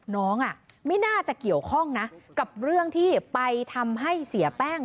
น้องไม่น่าจะเกี่ยวข้องนะกับเรื่องที่ไปทำให้เสียแป้ง